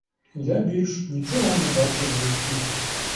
Я більш нічого не бачу в житті.